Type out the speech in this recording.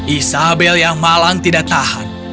isabel yang malang tidak tahan